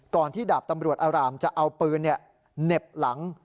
ที่ดาบตำรวจอารามจะเอาปืนเหน็บหลัง